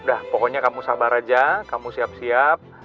dah pokoknya kamu sabar aja kamu siap siap